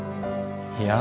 いや。